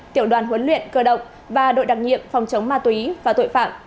tiểu đoàn huấn luyện cơ động và đội đặc nhiệm phòng chống ma túy và tội phạm